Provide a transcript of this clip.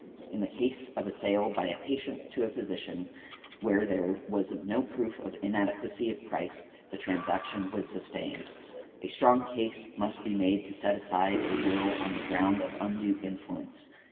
In the case of a sale by a patient to a physician, where there was no proof of inadequacy of price, the transaction was sustained . A strong case must be made to set aside a will on the ground of undue influence.